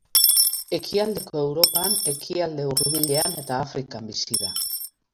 Ekialdeko Europan, Ekialde Hurbilean eta Afrikan bizi da.